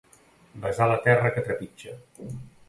Besar la terra que trepitja.